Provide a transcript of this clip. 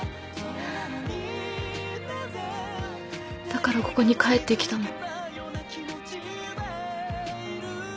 だからここに帰ってきたの。